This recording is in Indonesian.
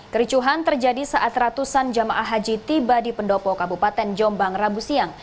kericuhan terjadi saat ratusan jamaah haji tiba di pendopo kabupaten jombang rabu siang